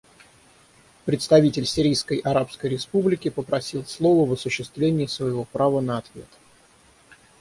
Представитель Сирийской Арабской Республики попросил слово в осуществлении своего права на ответ.